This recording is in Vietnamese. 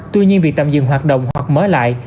tuy nhiên việc tạm dừng hoạt động hoặc mở lại